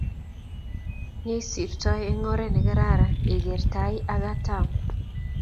nyoisirtoi eng oret kararan igeer tai ak katam